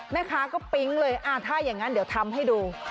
แม่ค้าก็ปิ๊งเลยถ้าอย่างนั้นเดี๋ยวทำให้ดู